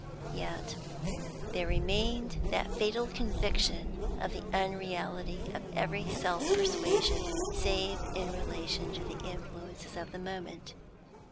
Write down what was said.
Yet there remained that fatal conviction of the unreality of every self persuasion save in relation to the influences of the moment.